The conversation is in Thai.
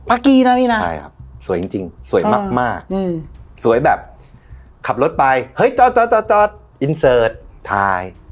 กี้นะพี่นะใช่ครับสวยจริงสวยมากสวยแบบขับรถไปเฮ้ยจอดจอดอินเสิร์ตถ่าย